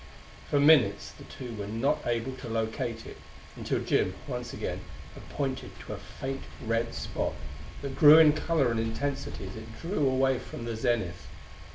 For minutes the two were not able to locate it until Jim, once again, had pointed to a faint red spot that grew in color and intensity as it drew away from the zenith.